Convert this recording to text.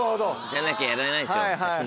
じゃなきゃやらないでしょ。